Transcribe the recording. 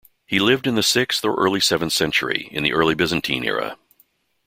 He lived in the sixth or early seventh century, in the early Byzantine era.